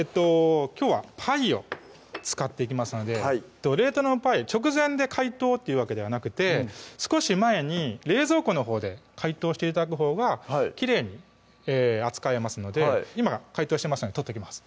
きょうはパイを使っていきますので冷凍のパイ直前で解凍というわけではなくて少し前に冷蔵庫のほうで解凍して頂くほうがきれいに扱えますので今解凍してますので取ってきます